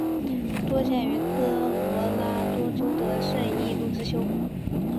多见于科罗拉多州的圣路易斯山谷。